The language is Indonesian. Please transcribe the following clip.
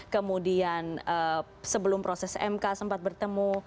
kemudian sebelum proses mk sempat bertemu